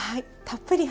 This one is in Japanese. たっぷり。